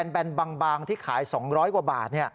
แนนบางที่ขาย๒๐๐กว่าบาท